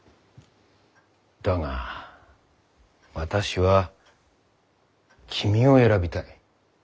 だが私は君を選びたい。